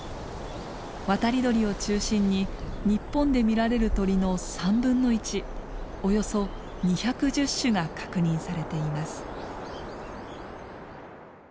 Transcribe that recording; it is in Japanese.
渡り鳥を中心に日本で見られる鳥の３分の１およそ２１０種が確認されています。